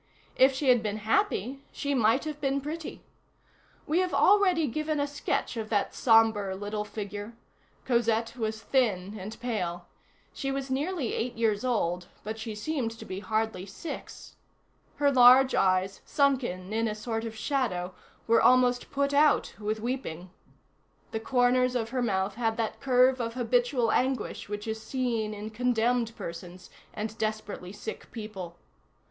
If she had been happy, she might have been pretty. We have already given a sketch of that sombre little figure. Cosette was thin and pale; she was nearly eight years old, but she seemed to be hardly six. Her large eyes, sunken in a sort of shadow, were almost put out with weeping. The corners of her mouth had that curve of habitual anguish which is seen in condemned persons and desperately sick people.